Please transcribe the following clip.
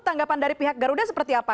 tanggapan dari pihak garuda seperti apa